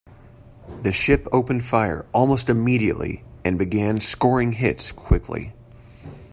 The ship opened fire almost immediately and began scoring hits quickly.